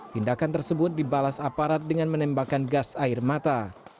tindakan tersebut dibalas aparat dengan menembakkan gas air mata